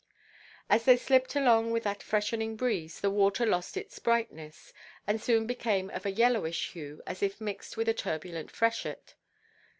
As they slipped along with that freshening breeze, the water lost its brightness, and soon became of a yellowish hue, as if mixed with a turbulent freshet.